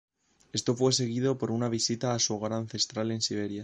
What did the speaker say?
Esto fue seguido por una visita a su hogar ancestral en Siberia.